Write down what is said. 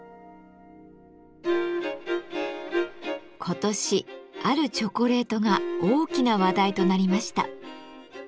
今年あるチョコレートが大きな話題となりました。